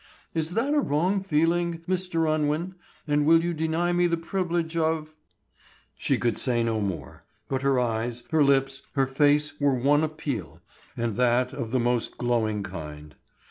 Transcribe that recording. Is that a wrong feeling, Mr. Unwin, and will you deny me the privilege of—" She could say no more, but her eyes, her lips, her face were one appeal, and that of the most glowing kind.